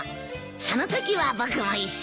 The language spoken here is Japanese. そのときは僕も一緒に。